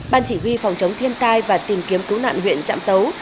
ban chỉ huy phòng chống thiên tai và tìm kiếm cứu nạn huyện trạm tấu